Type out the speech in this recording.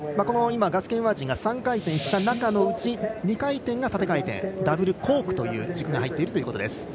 今、ガス・ケンワージーが３回転した中のうち２回転が縦回転ダブルコークという軸が入っているということです。